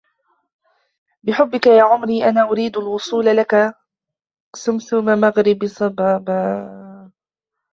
بحبك ياعمرى انا اريد الوصول لك سمسم مغرب صبابا